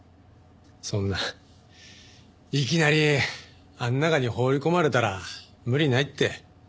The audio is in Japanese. そんないきなりあの中に放り込まれたら無理ないって。